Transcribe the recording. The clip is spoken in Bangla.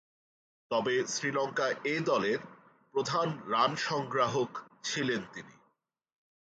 তবে, শ্রীলঙ্কা এ দলের প্রধান রান সংগ্রাহক ছিলেন তিনি।